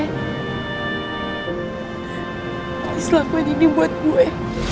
habislah gue jadi buat gue